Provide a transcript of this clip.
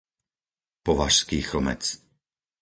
Považský Chlmec